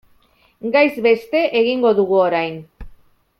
Gaiz beste egingo dugu orain.